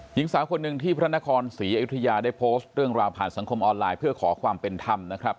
หญิงสาวคนหนึ่งที่พระนครศรีอยุธยาได้โพสต์เรื่องราวผ่านสังคมออนไลน์เพื่อขอความเป็นธรรมนะครับ